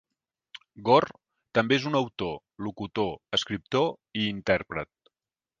Gorr també és un autor, locutor, escriptor i intèrpret.